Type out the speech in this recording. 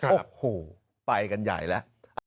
โอ้โหไปกันใหญ่แล้ว